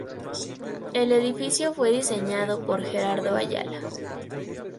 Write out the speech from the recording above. El edificio fue diseñado por Gerardo Ayala.